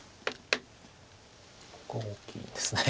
ここは大きいです。